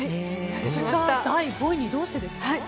それが第５位にどうしてですか。